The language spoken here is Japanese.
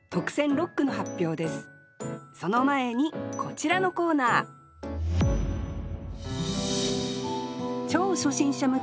その前にこちらのコーナー超初心者向け「０から俳句」。